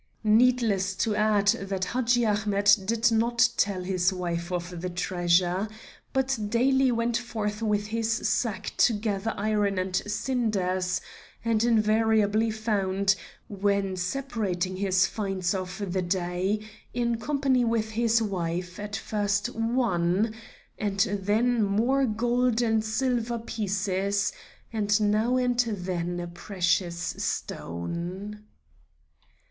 Needless to add that Hadji Ahmet did not tell his wife of the treasure, but daily went forth with his sack to gather iron and cinders, and invariably found, when separating his finds of the day, in company with his wife, at first one, and then more gold and silver pieces, and now and then a precious stone.